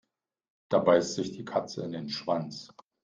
Da beißt sich die Katze in den Schwanz.